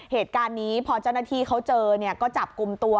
เหตุการณ์นี้พอเจ้าหน้าที่เขาเจอเนี่ยก็จับกลุ่มตัว